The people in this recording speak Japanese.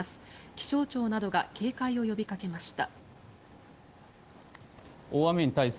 気象庁などが警戒を呼びかけました。